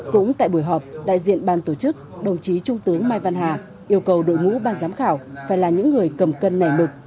cũng tại buổi họp đại diện ban tổ chức đồng chí trung tướng mai văn hà yêu cầu đội ngũ ban giám khảo phải là những người cầm cân nảy mực